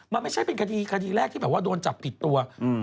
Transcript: มันไม่ใช่เป็นคดีคดีแรกที่แบบว่าโดนจับผิดตัว